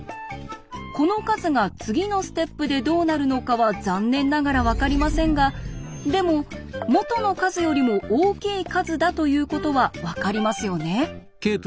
この数が次のステップでどうなるのかは残念ながら分かりませんがでも元の数よりも大きい数だということは分かりますよね。